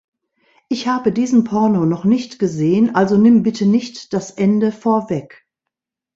Ich habe diesen Porno noch nicht gesehen, also nimm bitte nicht das Ende vorweg!